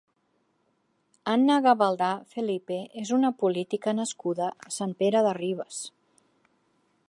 Anna Gabaldà Felipe és una política nascuda a Sant Pere de Ribes.